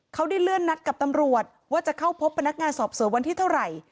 เขาได้เลื่อนนัดกับตำรวจว่าจะเข้าพบพนักงานสอบสวนวันที่เท่าไหร่